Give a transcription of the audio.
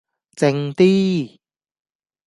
靜啲